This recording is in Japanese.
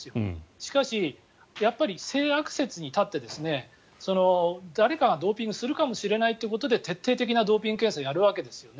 しかし、やっぱり性悪説に立って誰かドーピングをするかもしれないということで徹底的なドーピング検査をやるわけですよね。